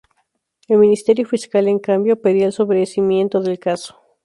El Ministerio Fiscal, en cambio, pedía el sobreseimiento del caso.